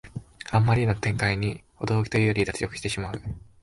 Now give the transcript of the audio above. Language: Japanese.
あんまりな展開に驚きというより脱力してしまう